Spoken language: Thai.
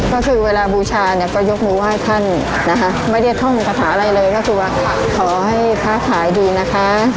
ก็คือเวลาบูชาเนี่ยก็ยกมือไหว้ท่านนะคะไม่ได้ท่องคาถาอะไรเลยก็คือว่าขอให้ค้าขายดีนะคะ